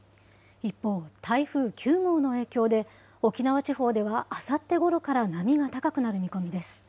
一方、台風９号の影響で、沖縄地方ではあさってごろから波が高くなる見込みです。